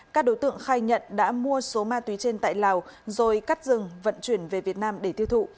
các đối tượng khai nhận đã mua số ma túy trên tại lào rồi cắt rừng vận chuyển về việt nam để tiêu thụ